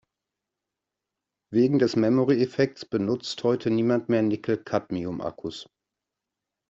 Wegen des Memory-Effekts benutzt heute niemand mehr Nickel-Cadmium-Akkus.